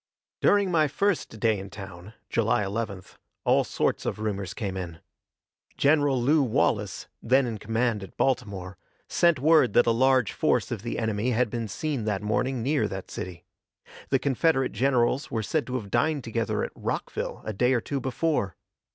During my first day in town, July 11th, all sorts of rumors came in. General Lew Wallace, then in command at Baltimore, sent word that a large force of the enemy had been seen that morning near that city. The Confederate generals were said to have dined together at Rockville a day or two before.